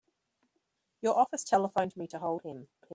Your office telephoned me to hold him.